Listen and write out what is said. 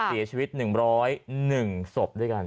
เสียชีวิต๑๐๑ศพด้วยกัน